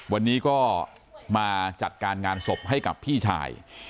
วันนี้ก็มาจัดการงานศพให้กับพี่ชาย